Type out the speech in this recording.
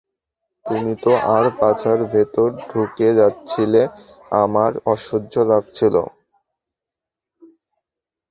তুমি তো তার পাছার ভিতর ঢুকে যাচ্ছিলে, আমার অসহ্য লাগছিল।